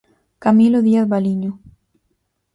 Camilo Díaz Baliño.